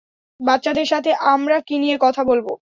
বাচ্চাদের সাথে আমরা কী নিয়ে কথা বলবো?